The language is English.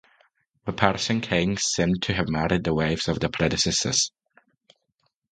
The Persian kings seem to have married the wives of their predecessors.